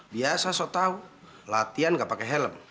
biasa so tau latihan gak pake helm